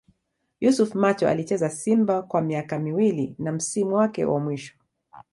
Yusuf Macho Alicheza Simba kwa miaka miwili na msimu wake wa mwisho